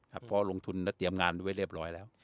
เพราะลงทุนและเตรียมงานไว้เรียบร้อยแล้ว